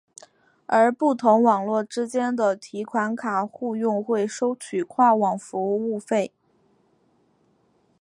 而不同网络之间的提款卡互用会收取跨网服务费。